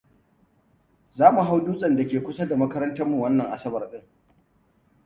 Za mu hau dutsen da ke kusa da makarantarmu wannan Asabar ɗin.